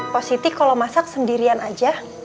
pak siti kalau masak sendirian aja